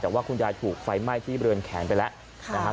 แต่ว่าคุณยายถูกไฟไหม้ที่เบลือนแขนไปแล้วค่ะนะฮะ